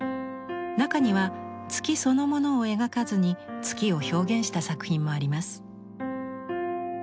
中には月そのものを描かずに月を表現した作品もあります。